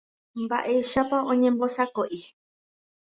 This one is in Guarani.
Mba'éichapa oñembosako'i.